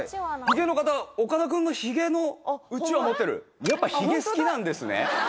ヒゲの方岡田君のヒゲのうちわ持ってるやっぱヒゲ好きなんですね？